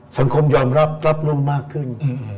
สังคมยอมรับรับรุ่มมากขึ้น